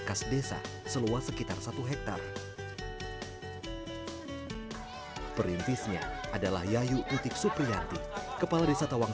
khas desa seluas sekitar satu hektare perintisnya adalah yayu utik supriyanti kepala desa tawang